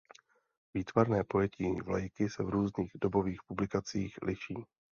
Výtvarné pojetí vlajky se v různých dobových publikacích liší.